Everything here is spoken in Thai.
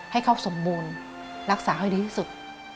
ให้เขาสมบูรณ์รักษาให้ดีที่สุด